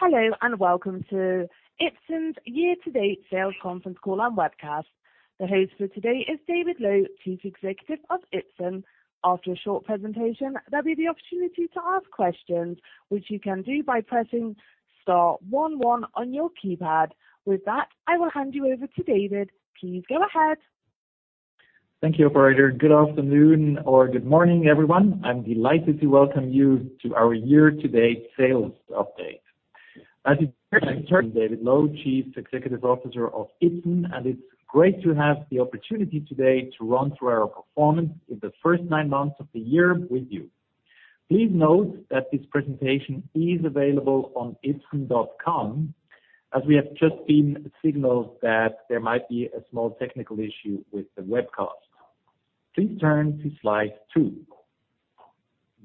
Hello, and welcome to Ipsen's year-to-date sales conference call and webcast. The host for today is David Loew, Chief Executive of Ipsen. After a short presentation, there'll be the opportunity to ask questions, which you can do by pressing star one one on your keypad. With that, I will hand you over to David. Please go ahead. Thank you, operator. Good afternoon or good morning, everyone. I'm delighted to welcome you to our year-to-date sales update. As you heard, I'm David Loew, Chief Executive Officer of Ipsen, and it's great to have the opportunity today to run through our performance in the first nine months of the year with you. Please note that this presentation is available on ipsen.com as we have just been signaled that there might be a small technical issue with the webcast. Please turn to slide two.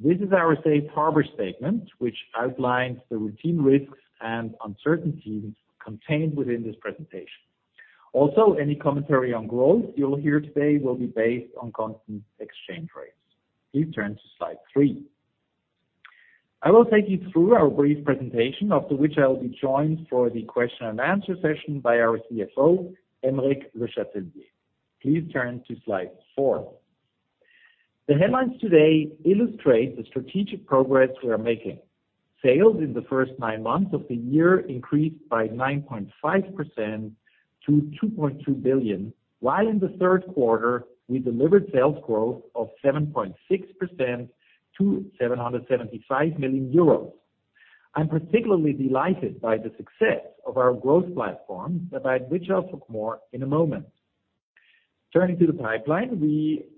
This is our safe harbor statement, which outlines the routine risks and uncertainties contained within this presentation. Also, any commentary on growth you'll hear today will be based on constant exchange rates. Please turn to slide three. I will take you through our brief presentation, after which I'll be joined for the question and answer session by our CFO, Aymeric Le Chatelier. Please turn to slide four. The headlines today illustrate the strategic progress we are making. Sales in the first nine months of the year increased by 9.5% to 2.2 billion, while in the third quarter, we delivered sales growth of 7.6% to 775 million euros. I'm particularly delighted by the success of our growth platform, about which I'll talk more in a moment. Turning to the pipeline.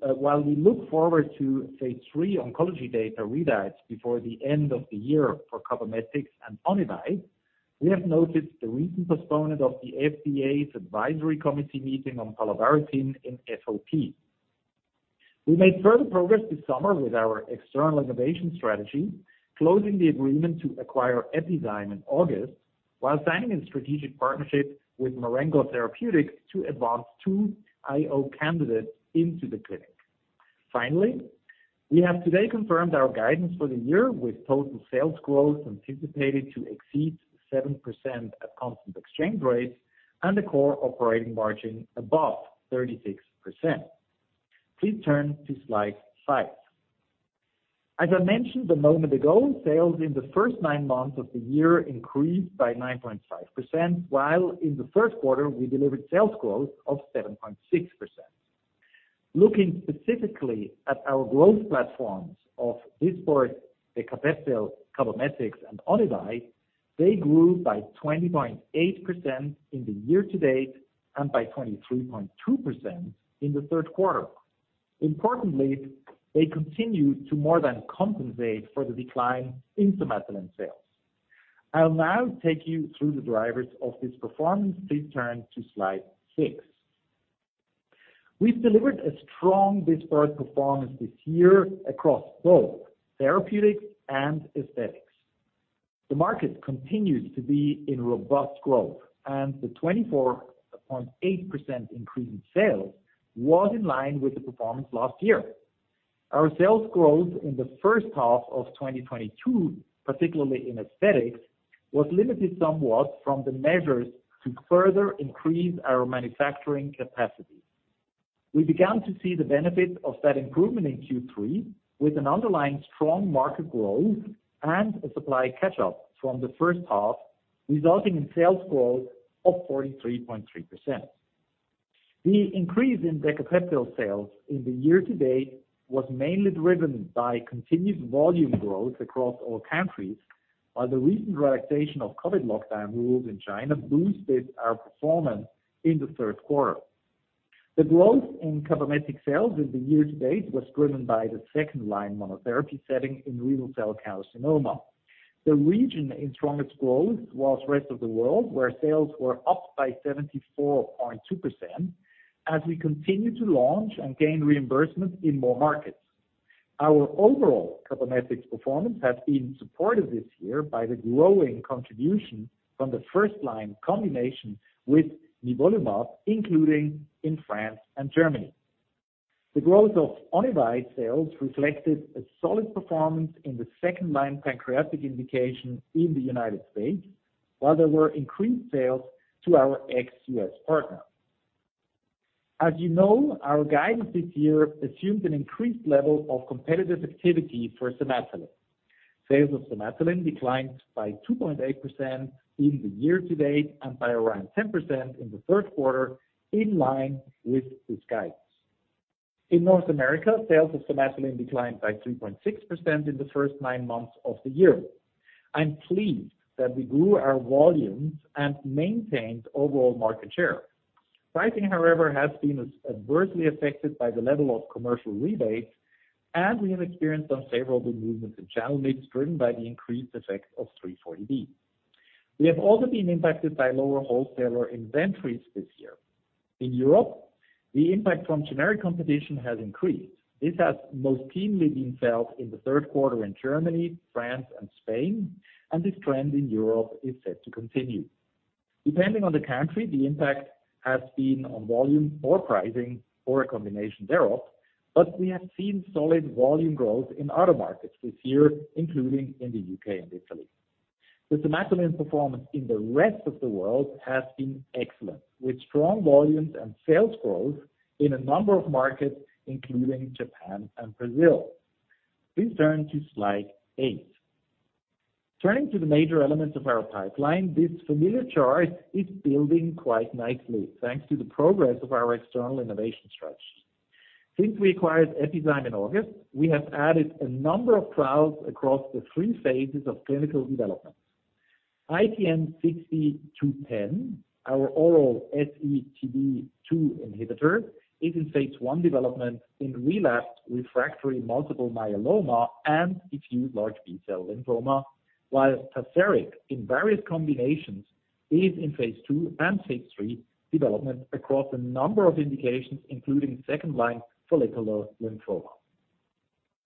While we look forward to stage three oncology data readouts before the end of the year for Cabometyx and Onivyde, we have noted the recent postponement of the FDA's advisory committee meeting on palovarotene in FOP. We made further progress this summer with our external innovation strategy, closing the agreement to acquire Epizyme in August, while signing a strategic partnership with Marengo Therapeutics to advance two IO candidates into the clinic. Finally, we have today confirmed our guidance for the year with total sales growth anticipated to exceed 7% at constant exchange rates and the core operating margin above 36%. Please turn to slide five. As I mentioned a moment ago, sales in the first nine months of the year increased by 9.5%, while in the first quarter, we delivered sales growth of 7.6%. Looking specifically at our growth platforms of Dysport, Decapeptyl, Cabometyx, and Onivyde, they grew by 20.8% in the year-to-date and by 23.2% in the third quarter. Importantly, they continue to more than compensate for the decline in somatostatin sales. I'll now take you through the drivers of this performance. Please turn to slide six. We've delivered a strong Dysport performance this year across both therapeutics and aesthetics. The market continues to be in robust growth, and the 24.8% increase in sales was in line with the performance last year. Our sales growth in the first half of 2022, particularly in aesthetics, was limited somewhat from the measures to further increase our manufacturing capacity. We began to see the benefit of that improvement in Q3 with an underlying strong market growth and a supply catch-up from the first half, resulting in sales growth of 43.3%. The increase in Decapeptyl sales in the year-to-date was mainly driven by continued volume growth across all countries while the recent relaxation of COVID lockdown rules in China boosted our performance in the third quarter. The growth in Cabometyx sales in the year-to-date was driven by the second line monotherapy setting in renal cell carcinoma. The region in strongest growth was rest of the world, where sales were up by 74.2% as we continue to launch and gain reimbursement in more markets. Our overall Cabometyx performance has been supported this year by the growing contribution from the first line combination with nivolumab, including in France and Germany. The growth of Onivyde sales reflected a solid performance in the second line pancreatic indication in the United States, while there were increased sales to our ex-US partner. As you know, our guidance this year assumes an increased level of competitive activity for Somatuline. Sales of Somatuline declined by 2.8% in the year-to-date and by around 10% in the third quarter in line with this guidance. In North America, sales of Somatuline declined by 3.6% in the first nine months of the year. I'm pleased that we grew our volumes and maintained overall market share. Pricing, however, has been adversely affected by the level of commercial rebates, and we have experienced unfavorable movements in channel mix driven by the increased effect of 340B. We have also been impacted by lower wholesaler inventories this year. In Europe, the impact from generic competition has increased. This has most keenly been felt in the third quarter in Germany, France, and Spain, and this trend in Europe is set to continue. Depending on the country, the impact has been on volume or pricing or a combination thereof, but we have seen solid volume growth in other markets this year, including in the U.K. and Italy. The Somatuline performance in the rest of the world has been excellent, with strong volumes and sales growth in a number of markets, including Japan and Brazil. Please turn to slide eight. Turning to the major elements of our pipeline, this familiar chart is building quite nicely thanks to the progress of our external innovation strategy. Since we acquired Epizyme in August, we have added a number of trials across the three phases of clinical development. IPN60210, our oral SETD2 inhibitor, is in phase I development in relapsed refractory multiple myeloma and diffuse large B-cell lymphoma. While Tazverik in various combinations is in phase II and phase III development across a number of indications, including second-line follicular lymphoma.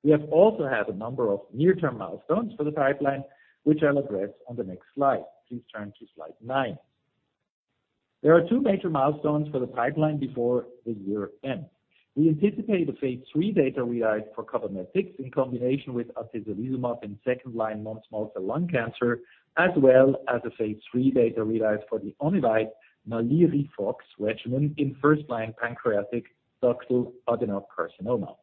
We have also had a number of near-term milestones for the pipeline, which I'll address on the next slide. Please turn to slide nine. There are two major milestones for the pipeline before the year ends. We anticipate the phase III data readouts for Cabometyx in combination with atezolizumab in second-line non-small cell lung cancer, as well as the phase III data readouts for the Onivyde NALIRIFOX regimen in first-line pancreatic ductal adenocarcinoma.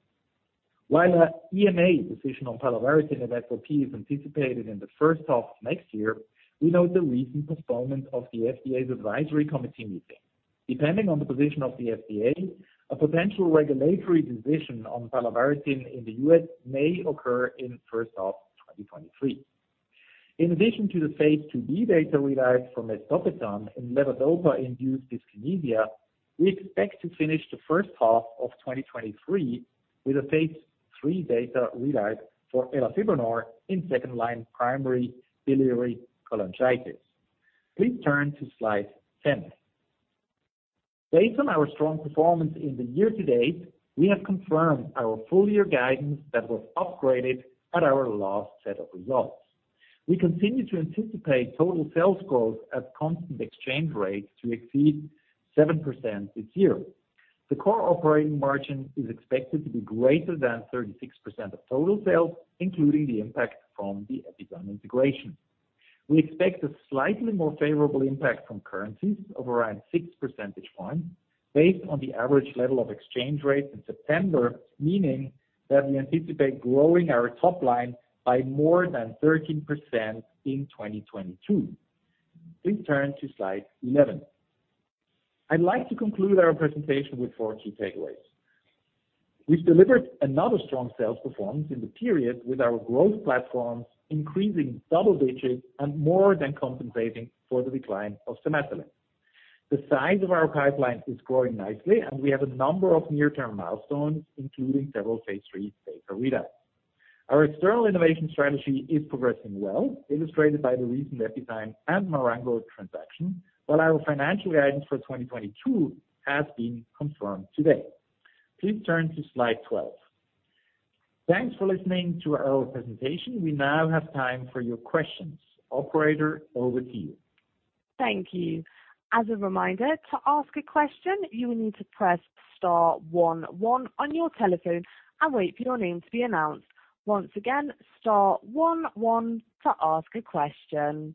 While an EMA decision on palovarotene for FOP is anticipated in the first half of next year, we note the recent postponement of the FDA's advisory committee meeting. Depending on the position of the FDA, a potential regulatory decision on palovarotene in the U.S. may occur in first half 2023. In addition to the phase II-B data readouts for mesdopetam in levodopa-induced dyskinesia, we expect to finish the first half of 2023 with a phase III data readout for elafibranor in second-line primary biliary cholangitis. Please turn to slide 10. Based on our strong performance in the year to date, we have confirmed our full year guidance that was upgraded at our last set of results. We continue to anticipate total sales growth at constant exchange rates to exceed 7% this year. The core operating margin is expected to be greater than 36% of total sales, including the impact from the Epizyme integration. We expect a slightly more favorable impact from currencies of around 6 percentage points based on the average level of exchange rates in September. Meaning that we anticipate growing our top line by more than 13% in 2022. Please turn to slide 11. I'd like to conclude our presentation with four key takeaways. We've delivered another strong sales performance in the period with our growth platforms increasing double digits and more than compensating for the decline of Somatuline. The size of our pipeline is growing nicely, and we have a number of near-term milestones, including several phase III data readouts. Our external innovation strategy is progressing well, illustrated by the recent Epizyme and Marengo transactions. While our financial guidance for 2022 has been confirmed today. Please turn to slide 12. Thanks for listening to our presentation. We now have time for your questions. Operator, over to you. Thank you. As a reminder, to ask a question, you will need to press star one one on your telephone and wait for your name to be announced. Once again, star one one to ask a question.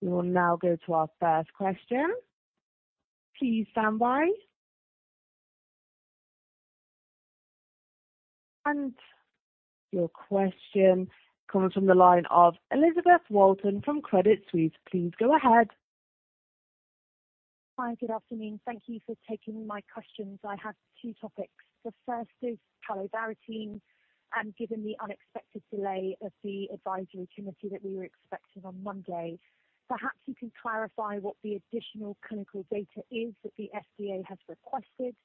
We will now go to our first question. Please stand by. Your question comes from the line of Elizabeth Walton from Credit Suisse. Please go ahead. Hi. Good afternoon. Thank you for taking my questions. I have two topics. The first is palovarotene. Given the unexpected delay of the Advisory Committee that we were expecting on Monday, perhaps you could clarify what the additional clinical data is that the FDA has requested.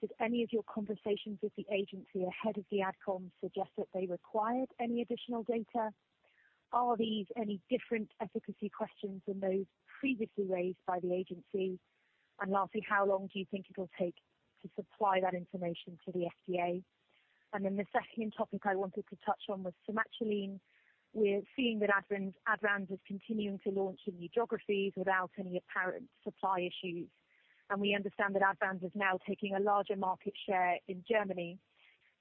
Did any of your conversations with the agency ahead of the AdCom suggest that they required any additional data? Are these any different efficacy questions than those previously raised by the agency? Lastly, how long do you think it'll take to supply that information to the FDA? The second topic I wanted to touch on was Somatuline. We're seeing that Advanz is continuing to launch in new geographies without any apparent supply issues. We understand that Advanz is now taking a larger market share in Germany.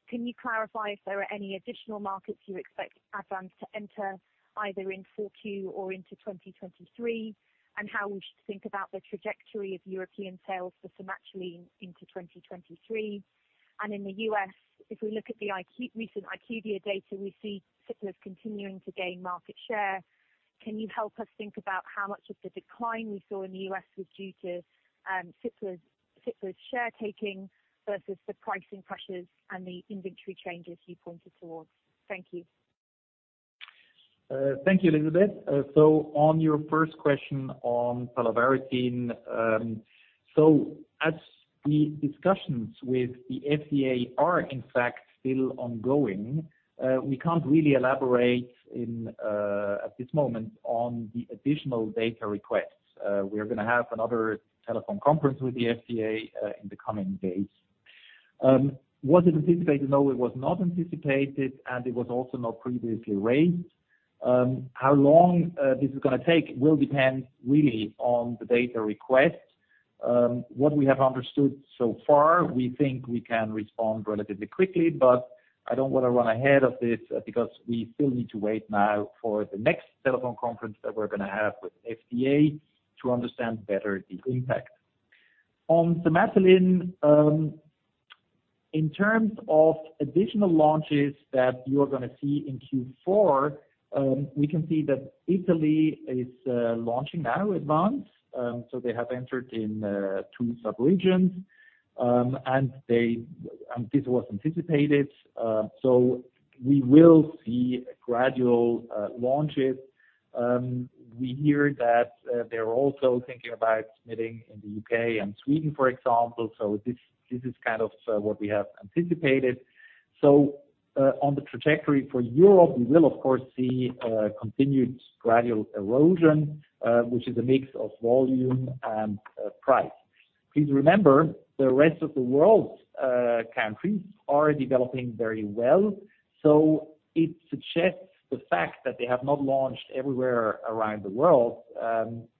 Can you clarify if there are any additional markets you expect Advanz to enter either in Q4 or into 2023? How we should think about the trajectory of European sales for Somatuline into 2023. In the U.S., if we look at the recent IQVIA data, we see Cipla continuing to gain market share. Can you help us think about how much of the decline we saw in the U.S. was due to Cipla's share taking versus the pricing pressures and the inventory changes you pointed towards? Thank you. Thank you, Elizabeth. On your first question on palovarotene, as the discussions with the FDA are in fact still ongoing, we can't really elaborate at this moment on the additional data requests. We are gonna have another telephone conference with the FDA in the coming days. Was it anticipated? No, it was not anticipated, and it was also not previously raised. How long this is gonna take will depend really on the data request. What we have understood so far, we think we can respond relatively quickly, but I don't wanna run ahead of this because we still need to wait now for the next telephone conference that we're gonna have with FDA to understand better the impact. On Somatuline, in terms of additional launches that you are gonna see in Q4, we can see that Italy is launching now Advanz. They have entered in two subregions, and this was anticipated. We will see gradual launches. We hear that they're also thinking about submitting in the U.K. and Sweden, for example. This is kind of what we have anticipated. On the trajectory for Europe, we will, of course, see continued gradual erosion, which is a mix of volume and price. Please remember, the rest of the world countries are developing very well, so it suggests the fact that they have not launched everywhere around the world,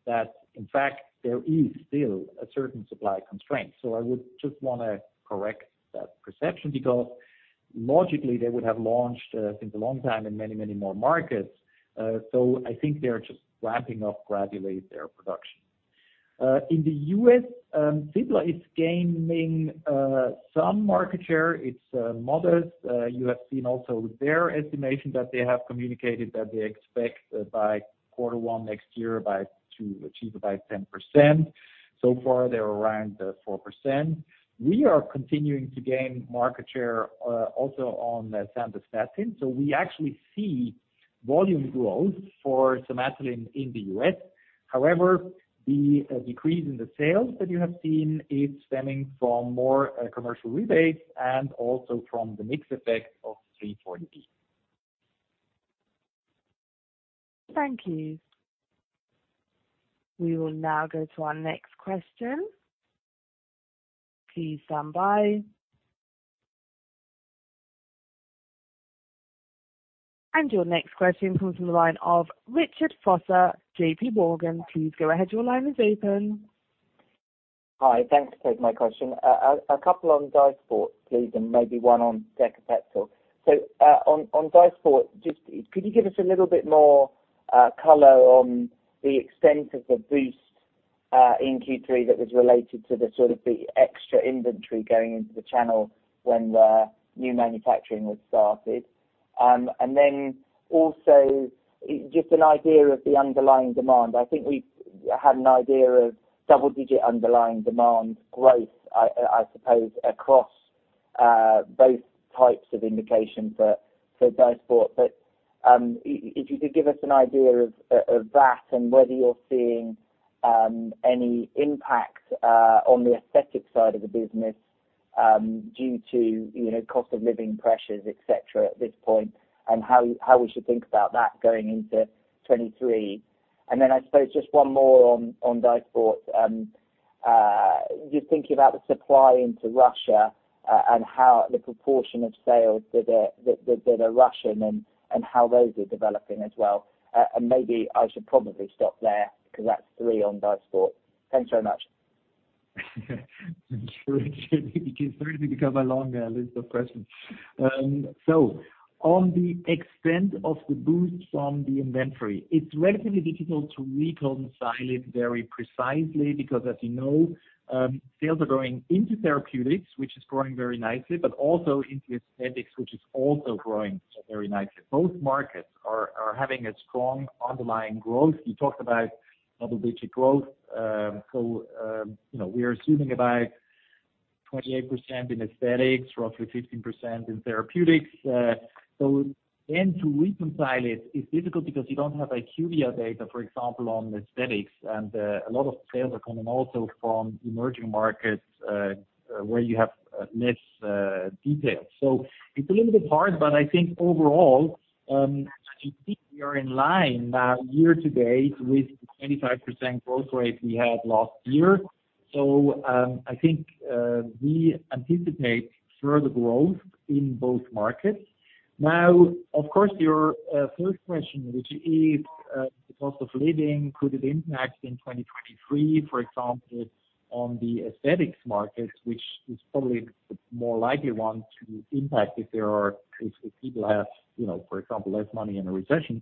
that in fact, there is still a certain supply constraint. I would just wanna correct that perception because logically, they would have launched since a long time in many, many more markets. I think they're just ramping up gradually their production. In the U.S.., Cipla is gaining some market share. It's modest. You have seen also their estimation that they have communicated that they expect by quarter one next year to achieve about 10%. So far, they're around 4%. We are continuing to gain market share also on Somatuline. So we actually see volume growth for Somatuline in the US. However, the decrease in the sales that you have seen is stemming from more commercial rebates and also from the mix effect of 340B. Thank you. We will now go to our next question. Please stand by. Your next question comes from the line of Richard Vosser, JPMorgan. Please go ahead. Your line is open. Hi. Thanks for taking my question. A couple on Dysport please, and maybe one on Decapeptyl. On Dysport, just could you give us a little bit more color on the extent of the boost in Q3 that was related to the sort of the extra inventory going into the channel when the new manufacturing was started? And then also just an idea of the underlying demand. I think we had an idea of double digit underlying demand growth, I suppose, across both types of indications for Dysport. If you could give us an idea of that and whether you're seeing any impact on the aesthetic side of the business due to, you know, cost of living pressures, et cetera, at this point, and how we should think about that going into 2023. I suppose just one more on Dysport. Just thinking about the supply into Russia, and how the proportion of sales that are Russian and how those are developing as well. Maybe I should probably stop there because that's three on Dysport. Thanks so much. Richard, it is starting to become a long list of questions. On the extent of the boost from the inventory, it's relatively difficult to reconcile it very precisely because as you know, sales are going into therapeutics, which is growing very nicely, but also into aesthetics, which is also growing very nicely. Both markets are having a strong underlying growth. You talked about double-digit growth. You know, we are assuming about 28% in aesthetics, roughly 15% in therapeutics. To reconcile it's difficult because you don't have IQVIA data, for example, on aesthetics. A lot of sales are coming also from emerging markets where you have less details. It's a little bit hard, but I think overall, I think we are in line now year-to-date with the 25% growth rate we had last year. I think we anticipate further growth in both markets. Now, of course, your first question, which is the cost of living, could it impact in 2023, for example, on the aesthetics market, which is probably the more likely one to impact if people have, you know, for example, less money in a recession.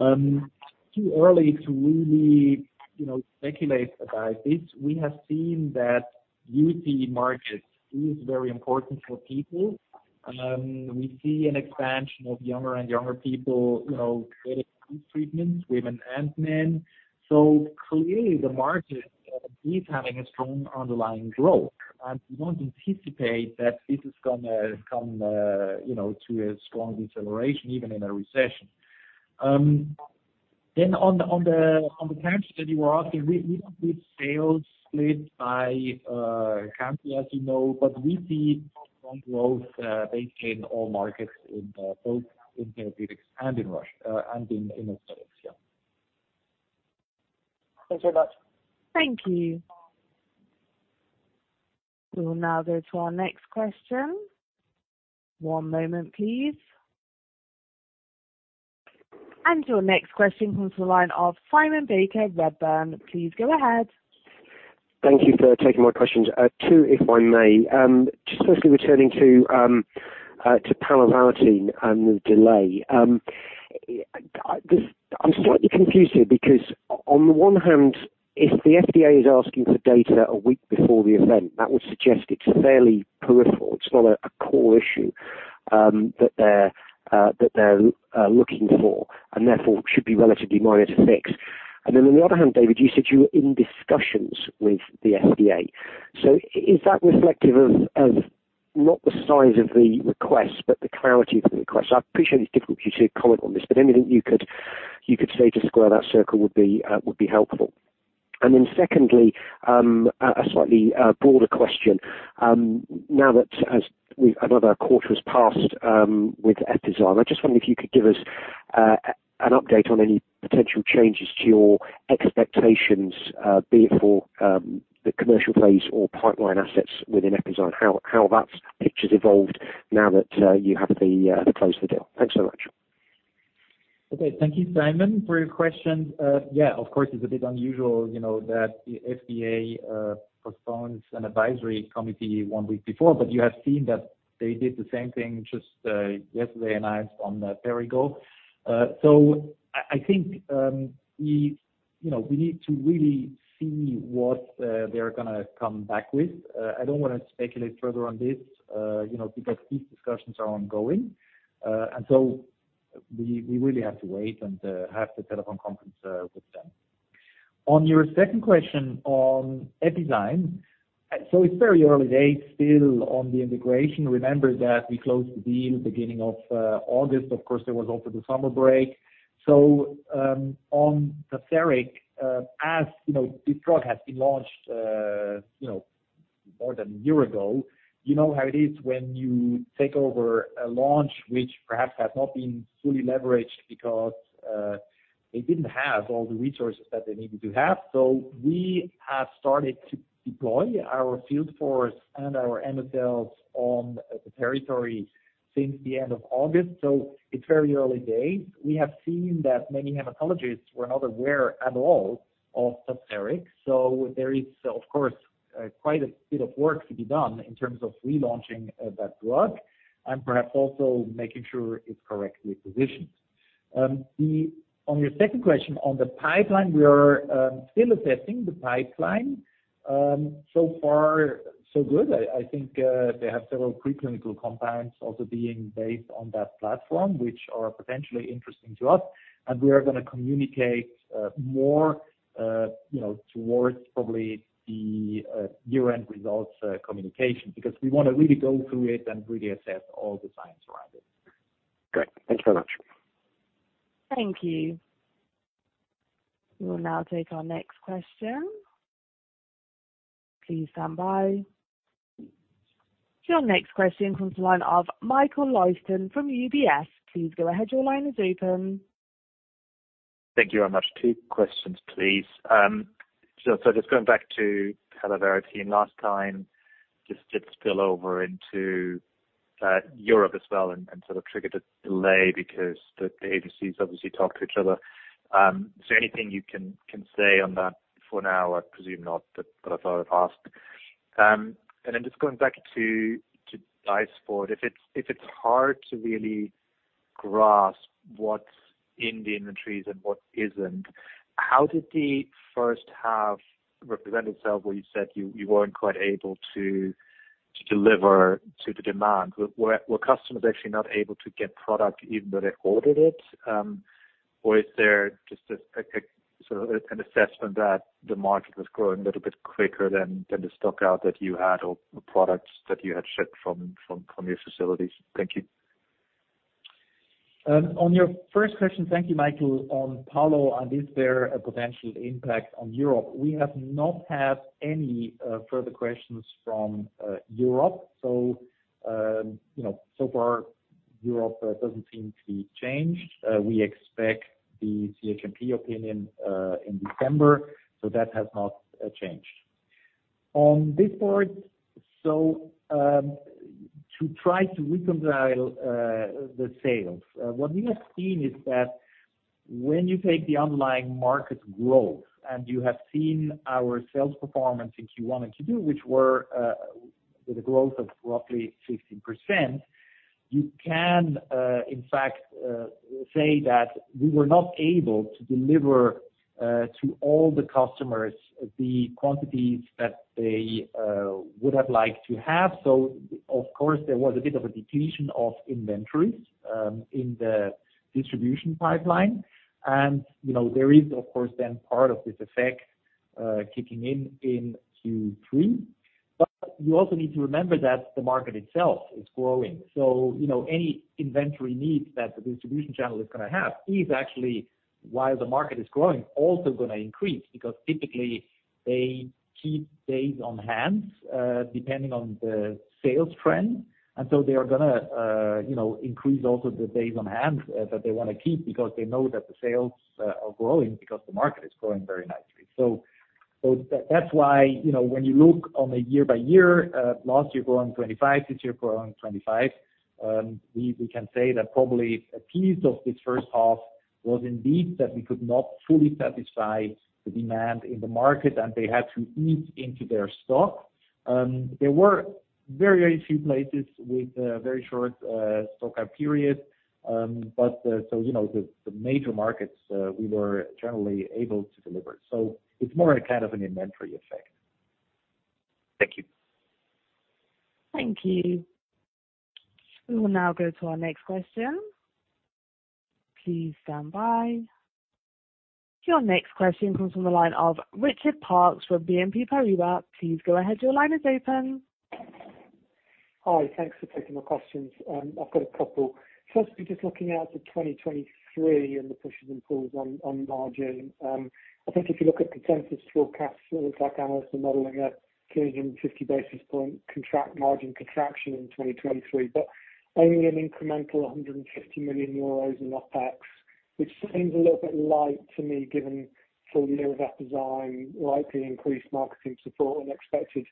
Too early to really, you know, speculate about this. We have seen that beauty market is very important for people. We see an expansion of younger and younger people, you know, getting these treatments, women and men. Clearly the market is having a strong underlying growth. We don't anticipate that this is gonna come, you know, to a strong deceleration even in a recession. On the question that you were asking, we don't give sales split by country, as you know, but we see strong growth basically in all markets, in both in therapeutics and in Russia and in aesthetics, yeah. Thanks very much. Thank you. We will now go to our next question. One moment, please. Your next question comes to the line of Simon Baker, Redburn. Please go ahead. Thank you for taking my questions. Two, if I may. Just firstly returning to palovarotene and the delay. I'm slightly confused here because on the one hand, if the FDA is asking for data a week before the event, that would suggest it's fairly peripheral. It's not a core issue that they're looking for and therefore should be relatively minor to fix. On the other hand, David, you said you were in discussions with the FDA. Is that reflective of not the size of the request, but the clarity of the request? I appreciate it's difficult for you to comment on this, but anything you could say to square that circle would be helpful. Secondly, a slightly broader question. Now that another quarter has passed with Epizyme, I just wonder if you could give us an update on any potential changes to your expectations, be it for the commercial phase or pipeline assets within Epizyme, how that picture's evolved now that you have the close of the deal. Thanks so much. Okay. Thank you, Simon, for your question. Yeah, of course, it's a bit unusual, you know, that the FDA postpones an advisory committee one week before, but you have seen that they did the same thing just yesterday and announced on Perrigo. I think we need to really see what they're gonna come back with. I don't wanna speculate further on this, you know, because these discussions are ongoing. We really have to wait and have the telephone conference with them. On your second question on Epizyme. It's very early days still on the integration. Remember that we closed the deal beginning of August. Of course, there was also the summer break. On Tazverik, as you know, this drug has been launched, you know, more than a year ago. You know how it is when you take over a launch which perhaps has not been fully leveraged because, they didn't have all the resources that they needed to have. We have started to deploy our field force and our MSLs on the territory since the end of August. It's very early days. We have seen that many hematologists were not aware at all of Tazverik. There is, of course, quite a bit of work to be done in terms of relaunching, that drug and perhaps also making sure it's correctly positioned. On your second question on the pipeline, we are still assessing the pipeline. So far so good. I think they have several preclinical compounds also being based on that platform, which are potentially interesting to us, and we are gonna communicate more, you know, towards probably the year-end results communication, because we wanna really go through it and really assess all the science around it. Great. Thank you very much. Thank you. We will now take our next question. Please stand by. Your next question comes from the line of Michael Leuchten from UBS. Please go ahead. Your line is open. Thank you very much. Two questions, please. Just going back to palovarotene last time, this did spill over into Europe as well and sort of triggered a delay because the ABCs obviously talk to each other. Is there anything you can say on that for now? I presume not, but I thought I'd ask. Just going back to Dysport, if it's hard to really grasp what's in the inventories and what isn't, how did the first half present itself, where you said you weren't quite able to deliver to the demand? Were customers actually not able to get product even though they ordered it? Is there just a sort of an assessment that the market was growing a little bit quicker than the stockout that you had or the products that you had shipped from your facilities? Thank you. On your first question. Thank you, Michael. On palovarotene and is there a potential impact on Europe? We have not had any further questions from Europe. You know, so far Europe doesn't seem to be changed. We expect the CHMP opinion in December, so that has not changed. On Dysport, to try to reconcile the sales, what we have seen is that when you take the underlying market growth and you have seen our sales performance in Q1 and Q2, which were with a growth of roughly 15%, you can in fact say that we were not able to deliver to all the customers the quantities that they would have liked to have. Of course, there was a bit of a depletion of inventories in the distribution pipeline. You know, there is of course then, part of this effect kicking in in Q3. But you also need to remember that the market itself is growing. You know, any inventory needs that the distribution channel is gonna have is actually, while the market is growing, also gonna increase because they keep days on hand, depending on the sales trend. They are gonna, you know, increase also the days on hand that they wanna keep because they know that the sales are growing because the market is growing very nicely. That's why, you know, when you look on a year-by-year, last year growing 25%, this year growing 25%, we can say that probably a piece of this first half was indeed that we could not fully satisfy the demand in the market, and they had to eat into their stock. There were very few places with very short stock-out periods. You know, the major markets we were generally able to deliver. It's more a kind of an inventory effect. Thank you. Thank you. We will now go to our next question. Please stand by. Your next question comes from the line of Richard Parkes from BNP Paribas. Please go ahead, your line is open. Hi. Thanks for taking my questions. I've got a couple. Firstly, just looking out to 2023 and the pushes and pulls on margin. I think if you look at consensus forecasts, it looks like analysts are modeling a 250 basis point core margin contraction in 2023, but only an incremental 150 million euros in OpEx, which seems a little bit light to me given full year of Epizyme, likely increased marketing support and expected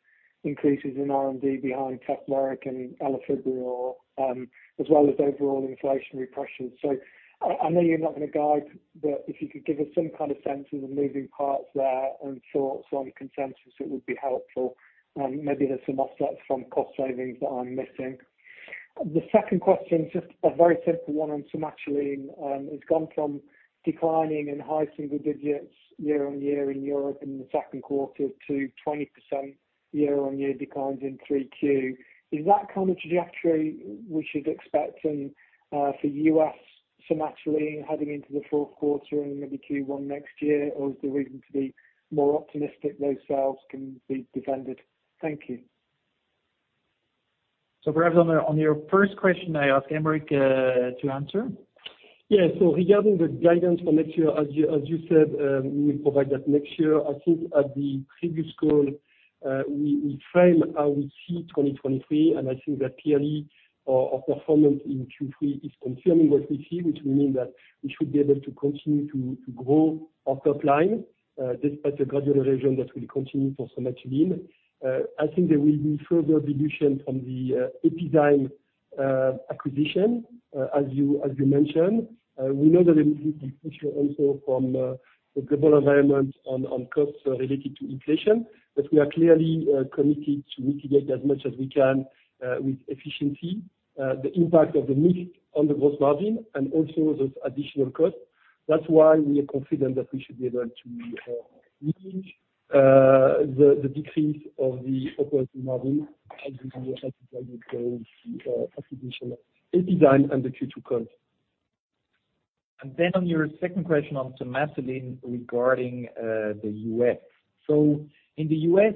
increases in R&D behind palovarotene and elafibranor, as well as overall inflationary pressures. I know you're not gonna guide, but if you could give us some kind of sense of the moving parts there and thoughts on consensus, it would be helpful. Maybe there's some offsets from cost savings that I'm missing. The second question is just a very simple one on Somatuline. It's gone from declining in high single digits year-on-year in Europe in the second quarter to 20% year-on-year declines in Q3. Is that kind of trajectory we should expect and for US Somatuline heading into the fourth quarter and maybe Q1 next year? Or is there reason to be more optimistic those sales can be defended? Thank you. Perhaps on your first question I ask Aymeric to answer. Yeah. Regarding the guidance for next year, as you said, we will provide that next year. I think at the previous call, we framed how we see 2023, and I think that clearly our performance in Q3 is confirming what we see, which will mean that we should be able to continue to grow our top line, despite the gradual erosion that will continue for Somatuline. I think there will be further dilution from the Epizyme acquisition, as you mentioned. We know that there will be pressure also from the global environment on costs related to inflation. We are clearly committed to mitigate as much as we can, with efficiency, the impact of the mix on the gross margin and also those additional costs. That's why we are confident that we should be able to manage the decrease of the operating margin as we have guided with acquisition of Epizyme under Q2 calls. On your second question on Somatuline regarding the U.S. In the U.S.,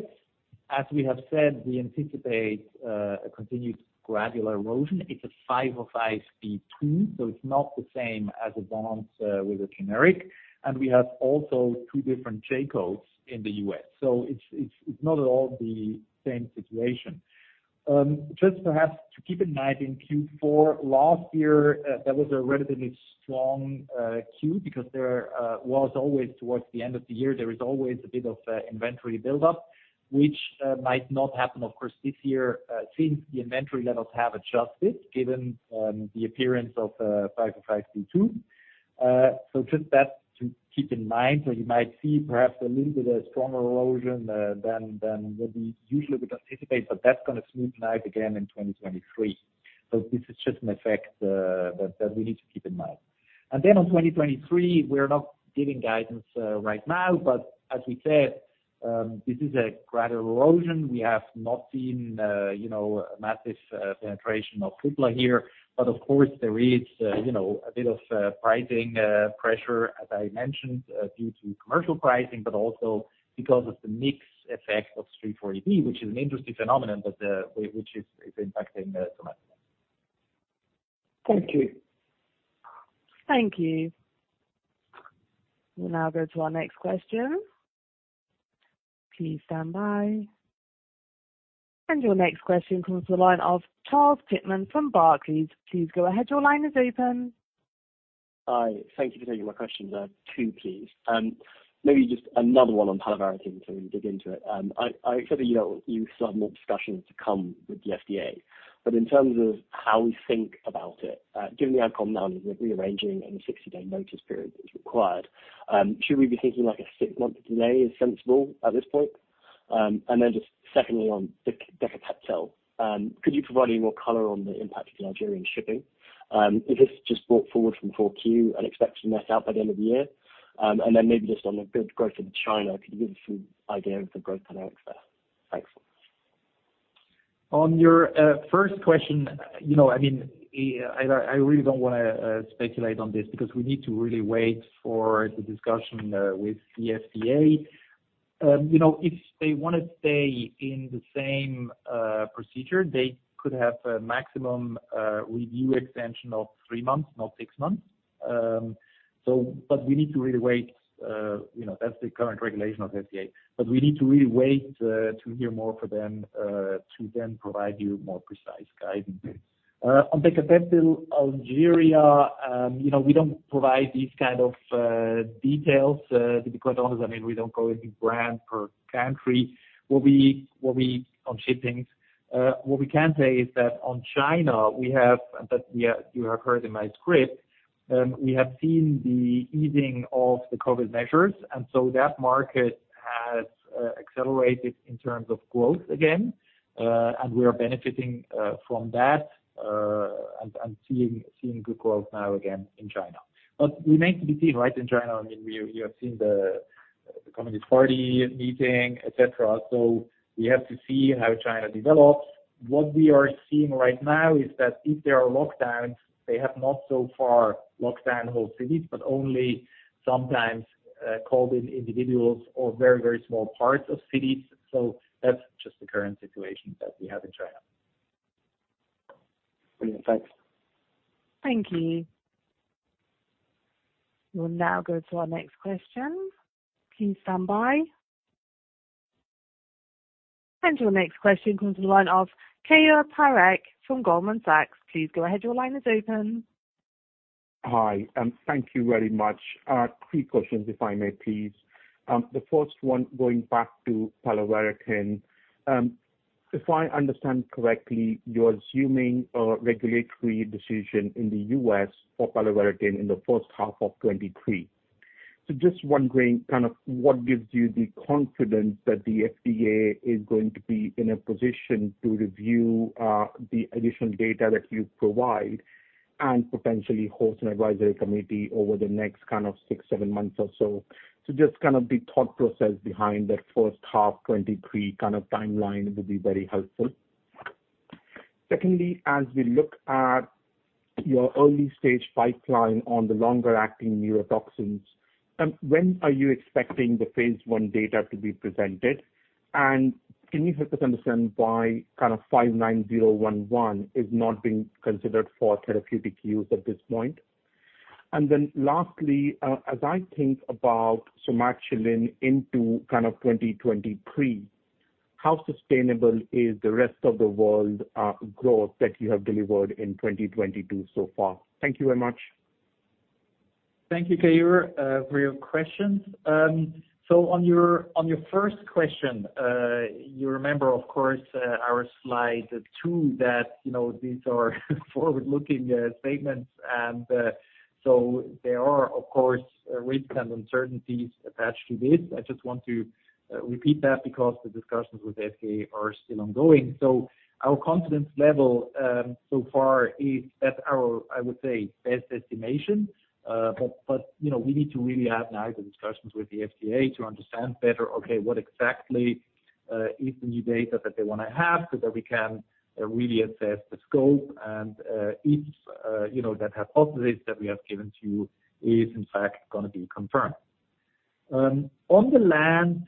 as we have said, we anticipate a continued gradual erosion. It's a 505(b)(2), so it's not the same as Avastin with a generic. We have also two different J-codes in the U.S. It's not at all the same situation. Just perhaps to keep in mind, in Q4 last year, that was a relatively strong Q because there is always a bit of inventory buildup, which might not happen, of course, this year, since the inventory levels have adjusted given the appearance of 505(b)(2). Just that to keep in mind. You might see perhaps a little bit of stronger erosion than what we usually would anticipate, but that's gonna smoothen out again in 2023. This is just an effect that we need to keep in mind. On 2023, we're not giving guidance right now, but as we said, this is a gradual erosion. We have not seen you know massive penetration of Kuvula here. But of course, there is you know a bit of pricing pressure, as I mentioned, due to commercial pricing, but also because of the mix effect of 340B, which is an interesting phenomenon, but which is impacting Somatuline. Thank you. Thank you. We'll now go to our next question. Please stand by. Your next question comes to the line of Charles Pitman from Barclays. Please go ahead, your line is open. Hi. Thank you for taking my questions. Two, please. Maybe just another one on Palovarotene to dig into it. I accept that you have some more discussions to come with the FDA. In terms of how we think about it, given the outcome now of the rearranging and the 60-day notice period that's required, should we be thinking like a six-month delay is sensible at this point? And then just secondly, on Decapeptyl. Could you provide any more color on the impact of the Nigeria shipping? Is this just brought forward from 4Q and expecting that out by the end of the year? And then maybe just on the good growth in China, could you give us some idea of the growth dynamics there? Thanks. On your first question, you know, I mean, I really don't wanna speculate on this because we need to really wait for the discussion with the FDA. You know, if they wanna stay in the same procedure, they could have a maximum review extension of three months, not six months. We need to really wait, you know, that's the current regulation of FDA. We need to really wait to hear more for them to then provide you more precise guidance. On Tecentriq, Algeria, you know, we don't provide these kind of details because, I mean, we don't go into brand per country. On shipments. What we can say is that on China, that you have heard in my script, we have seen the easing of the COVID measures, and so that market has accelerated in terms of growth again. We are benefiting from that, and seeing good growth now again in China. But we need to be seen, right, in China. I mean, you have seen the Communist Party meeting, et cetera. We have to see how China develops. What we are seeing right now is that if there are lockdowns, they have not so far locked down whole cities, but only sometimes called in individuals or very small parts of cities. That's just the current situation that we have in China. Brilliant. Thanks. Thank you. We'll now go to our next question. Please stand by. Your next question comes to the line of Keyur Parekh from Goldman Sachs. Please go ahead. Your line is open. Hi, and thank you very much. Three questions if I may please. The first one going back to palovarotene. If I understand correctly, you're assuming a regulatory decision in the U.S. for palovarotene in the first half of 2023. Just wondering kind of what gives you the confidence that the FDA is going to be in a position to review the additional data that you provide and potentially host an advisory committee over the next kind of six, seven months or so. Just kind of the thought process behind that first half 2023 kind of timeline would be very helpful. Secondly, as we look at your early-stage pipeline on the longer-acting neurotoxins, when are you expecting the phase I data to be presented? Can you help us understand why kind of IPN59011 is not being considered for therapeutic use at this point? Lastly, as I think about Somatuline into kind of 2023, how sustainable is the rest of the world growth that you have delivered in 2022 so far? Thank you very much. Thank you, Keyur, for your questions. On your first question, you remember, of course, our slide two that, you know, these are forward-looking statements. There are, of course, risks and uncertainties attached to this. I just want to repeat that because the discussions with FDA are still ongoing. Our confidence level so far is at our, I would say, best estimation. But you know, we need to really have now the discussions with the FDA to understand better, okay, what exactly is the new data that they wanna have so that we can really assess the scope and, if you know, that hypothesis that we have given to you is in fact gonna be confirmed. On the LANT,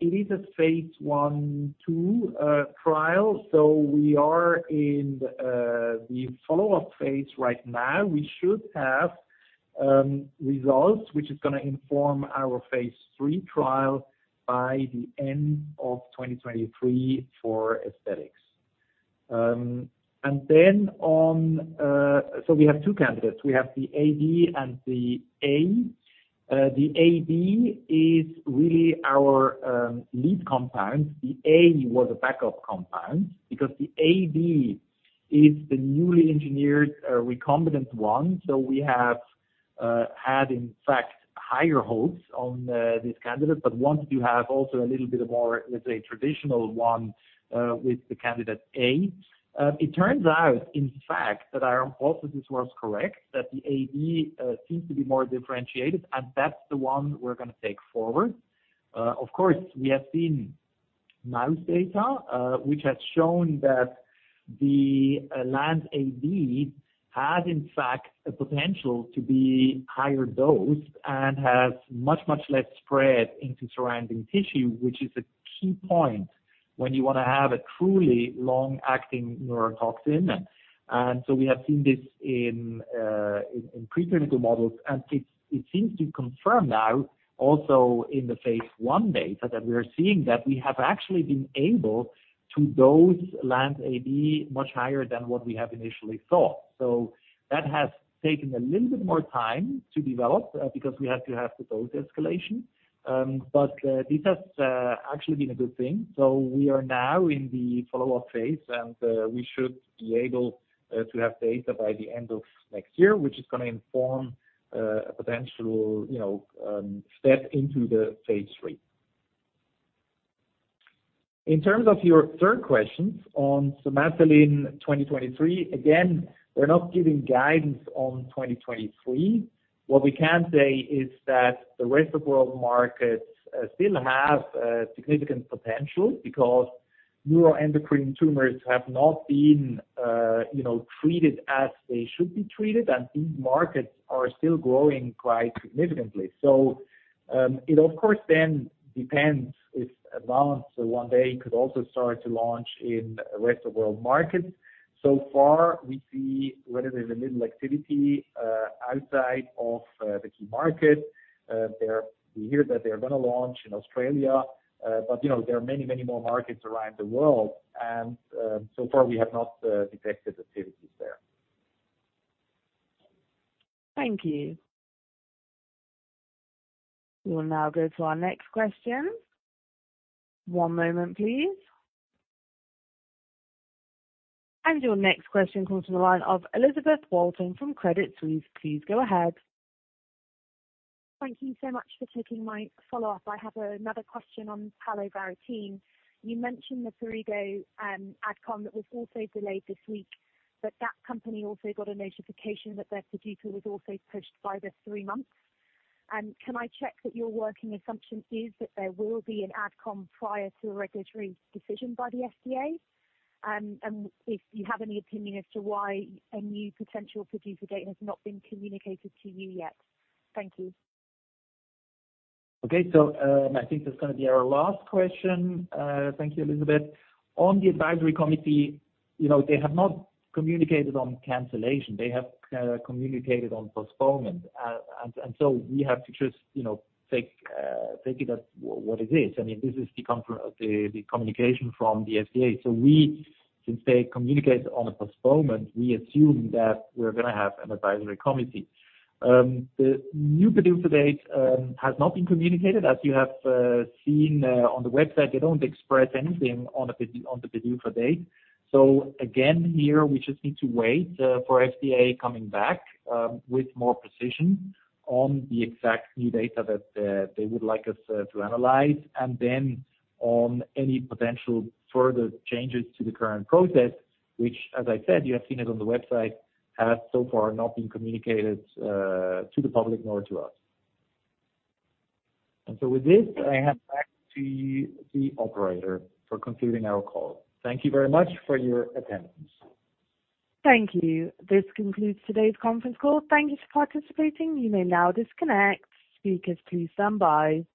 it is a phase 1/2 trial, so we are in the follow-up phase right now. We should have results which is gonna inform our phase III trial by the end of 2023 for aesthetics. We have two candidates. We have the AD and the A. The AD is really our lead compound. The A was a backup compound because the AD is the newly engineered recombinant one. We have had in fact higher hopes on this candidate. We wanted to have also a little bit more, let's say, traditional one with the candidate A. It turns out, in fact, that our hypothesis was correct, that the AD seems to be more differentiated, and that's the one we're gonna take forward. Of course, we have seen mouse data, which has shown that the LANT has in fact a potential to be higher dosed and has much, much less spread into surrounding tissue, which is a key point when you wanna have a truly long-acting neurotoxin. We have seen this in preclinical models, and it seems to confirm now also in the phase I data that we are seeing that we have actually been able to dose LANT much higher than what we have initially thought. That has taken a little bit more time to develop, because we had to have the dose escalation. This has actually been a good thing. We are now in the follow-up phase, and we should be able to have data by the end of next year, which is gonna inform a potential step into the phase III. In terms of your third question on Somatuline 2023, again, we're not giving guidance on 2023. What we can say is that the rest of world markets still have significant potential because neuroendocrine tumors have not been treated as they should be treated, and these markets are still growing quite significantly. It of course then depends if one day could also start to launch in rest of world markets. So far, we see relatively little activity outside of the key market. We hear that they're gonna launch in Australia, but you know, there are many more markets around the world and so far we have not detected activities there. Thank you. We will now go to our next question. One moment, please. Your next question comes from the line of Elizabeth Walton from Credit Suisse. Please go ahead. Thank you so much for taking my follow-up. I have another question on palovarotene. You mentioned the Perrigo AdCom that was also delayed this week, but that company also got a notification that their PDUFA was also pushed by three months. Can I check that your working assumption is that there will be an AdCom prior to a regulatory decision by the FDA? If you have any opinion as to why a new potential PDUFA date has not been communicated to you yet? Thank you. Okay. I think that's gonna be our last question. Thank you, Elizabeth. On the advisory committee, you know, they have not communicated on cancellation. They have communicated on postponement. We have to just, you know, take it as what it is. I mean, this is the communication from the FDA. We, since they communicate on a postponement, we assume that we're gonna have an advisory committee. The new PDUFA date has not been communicated. As you have seen on the website, they don't express anything on the PDUFA date. Again, here, we just need to wait for FDA coming back with more precision on the exact new data that they would like us to analyze, and then on any potential further changes to the current process, which as I said, you have seen it on the website, has so far not been communicated to the public nor to us. With this, I hand back to the operator for concluding our call. Thank you very much for your attendance. Thank you. This concludes today's conference call. Thank you for participating. You may now disconnect. Speakers, please stand by.